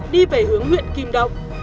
đi về hướng huyện kim động